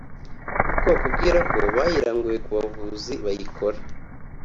kuko bakubwira ko bayiranguye ku bavuzi bayikora